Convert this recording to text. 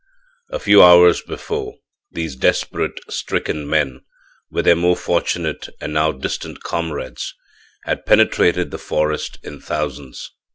A few hours before, these desperate, stricken men, with their more fortunate and now distant comrades, had penetrated the forest in thousands.